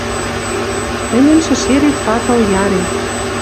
Тӹньӹн шӹшерет патыл яре